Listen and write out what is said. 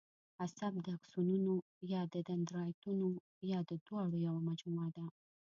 عصب د آکسونونو یا دندرایتونو یا د دواړو یوه مجموعه ده.